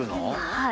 はい。